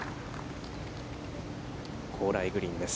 高麗グリーンです。